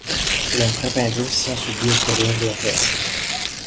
Rientrata in Russia, subì ulteriori arresti.